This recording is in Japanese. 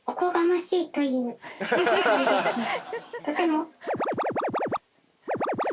とても。